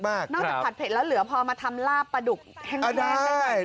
นอกจากผัดเผ็ดแล้วเหลือพอมาทำลาบปลาดุกแห้งได้